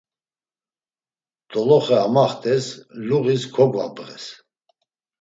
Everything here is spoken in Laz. Doloxe amaxtes, luğis kogvabğes.